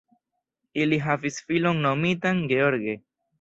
Ili havis filon nomitan Gheorghe.